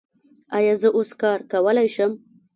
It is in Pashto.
ایا زه اوس کار کولی شم؟